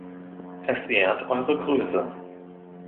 Es ehrt Eure Größe.